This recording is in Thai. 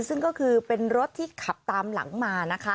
ซึ่งก็คือเป็นรถที่ขับตามหลังมานะคะ